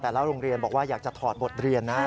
โรงเรียนบอกว่าอยากจะถอดบทเรียนนะ